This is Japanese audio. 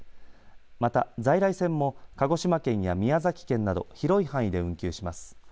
また、在来線も鹿児島県や宮崎県など広い範囲で運休します。